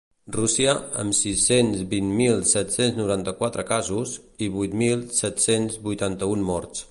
Rússia, amb sis-cents vint mil set-cents noranta-quatre casos i vuit mil set-cents vuitanta-un morts.